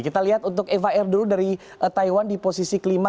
kita lihat untuk eva air dulu dari taiwan di posisi kelima